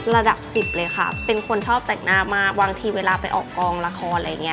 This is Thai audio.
ระดับ๑๐เลยค่ะเป็นคนชอบแต่งหน้ามากบางทีเวลาไปออกกองละครอะไรอย่างนี้